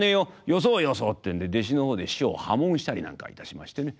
「よそうよそう」ってんで弟子の方で師匠を破門したりなんかいたしましてね。